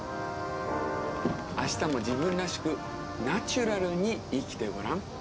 明日も自分らしくナチュラルに生きてごらん。